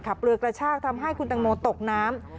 เรือกระชากทำให้คุณตังโมตกน้ำ